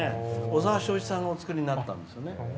小沢昭一さんがお作りになったんですよね。